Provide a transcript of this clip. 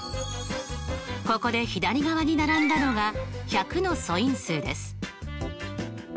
ここで左側に並んだのが１００の素因数です。